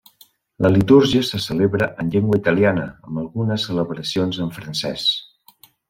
La litúrgia se celebra en llengua italiana, amb algunes celebracions en francès.